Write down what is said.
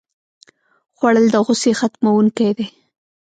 خوړل د غوسې ختموونکی دی